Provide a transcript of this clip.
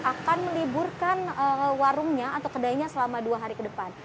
akan meliburkan warungnya atau kedainya selama dua hari ke depan